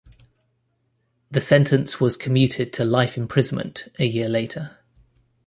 The sentence was commuted to life imprisonment a year later.